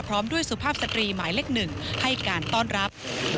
พร้อมด้วยสุภาพสตรีหมายเลข๑ให้การต้อนรับ